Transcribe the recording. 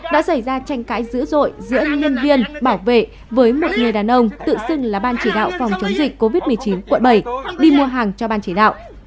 đã xảy ra tranh cãi dữ dội giữa nhân viên bảo vệ với một người đàn ông tự xưng là ban chỉ đạo phòng chống dịch covid một mươi chín quận bảy đi mua hàng cho ban chỉ đạo